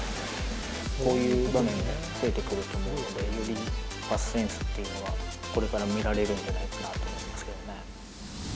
こういう場面も増えてくると思うので、よりパスセンスっていうのが、これから見られるんじゃないかなと思いますけどね。